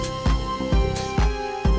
jalan atau pake motor